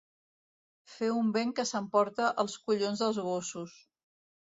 Fer un vent que s'emporta els collons dels gossos.